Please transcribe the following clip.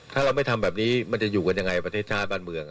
ถ้าเราไม่ทำแบบนี้มันจะอยู่กันยังไงประเทศชาติบ้านเมือง